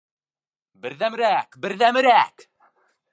Берҙәмерәк, берҙәмерәк!